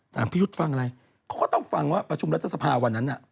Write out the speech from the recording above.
พี่ยุทธ์ฟังอะไรเขาก็ต้องฟังว่าประชุมรัฐสภาวันนั้นน่ะ